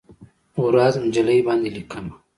ورځ، نجلۍ باندې لیکمه